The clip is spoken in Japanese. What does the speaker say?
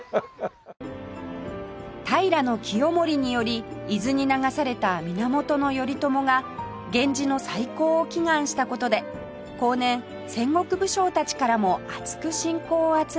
平清盛により伊豆に流された源頼朝が源氏の再興を祈願した事で後年戦国武将たちからもあつく信仰を集めた三嶋大社